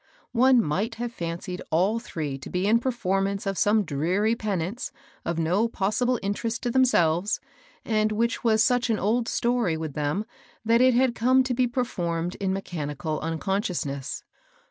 One might have fancied all three to be in performance of some dreary penance of no possible interest to themselves, and which was such an old story with them that it had come to be performed in me chanical unconsciousness.